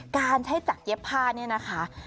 การใช้จัดเย็บผ้าเนี่ยนะคะ